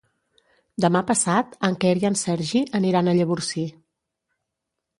Demà passat en Quer i en Sergi aniran a Llavorsí.